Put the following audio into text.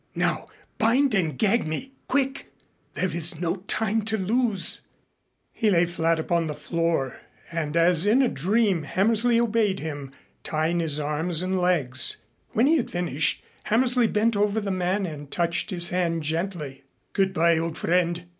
Now bind and gag me quick. There is no time to lose." He lay flat upon the floor and as in a dream Hammersley obeyed him, tying his arms and legs. When he had finished, Hammersley bent over the man and touched his hand gently. "Good by, old friend.